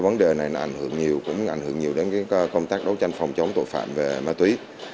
vấn đề này cũng ảnh hưởng nhiều đến công tác đấu tranh phòng chống tội phạm về ma túy